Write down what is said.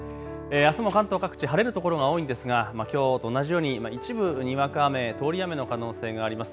あすも関東各地、晴れる所が多いんですがきょうと同じように一部にわか雨、通り雨の可能性があります。